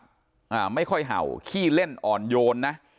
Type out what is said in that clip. อ่าไม่ค่อยเห่าขี้เล่นอ่อนโยนนะ